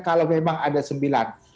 kalau memang ada sembilan